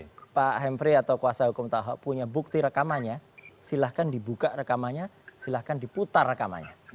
kalau pak hamfrey atau kuasa hukum tahok punya bukti rekamannya silahkan dibuka rekamannya silahkan diputar rekamannya